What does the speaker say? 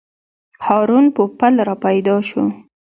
هارون پوپل راپیدا شو.